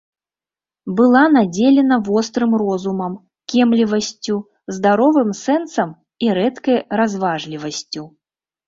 Была надзелена вострым розумам, кемлівасцю, здаровым сэнсам і рэдкай разважлівасцю.